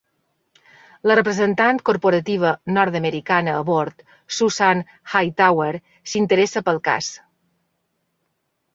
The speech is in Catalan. La representant corporativa nord-americana a bord, Susan Hightower, s'interessa pel cas.